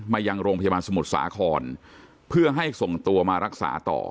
ยังโรงพยาบาลสมุทรสาครเพื่อให้ส่งตัวมารักษาต่อ